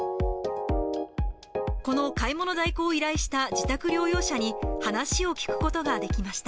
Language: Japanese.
この買い物代行を依頼した自宅療養者に話を聞くことができました。